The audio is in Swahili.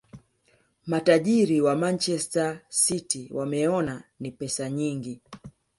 matajiri wa manchester city wameona ni pesa nyingi